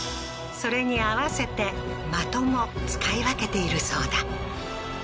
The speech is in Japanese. それに合わせて的も使い分けているそうだ